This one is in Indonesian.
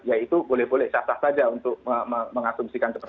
ya itu boleh boleh sah sah saja untuk mengasumsikan seperti itu